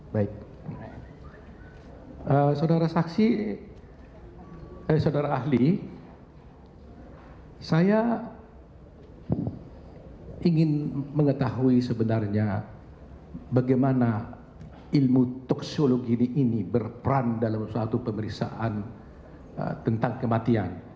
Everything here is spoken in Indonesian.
baik saudara saksi saudara ahli saya ingin mengetahui sebenarnya bagaimana ilmu toksologi ini berperan dalam suatu pemeriksaan tentang kematian